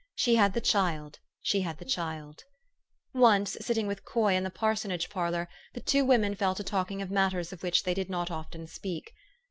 She had the child, she had the child ! Once, sitting with Coy in the parsonage parlor, the two women fell to talking of matters of which they did not often speak.